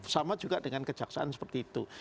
sama juga dengan kejaksaan seperti itu